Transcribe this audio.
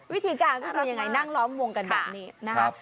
วิธีการก็คือยังไงนั่งล้อมวงกันแบบนี้นะครับ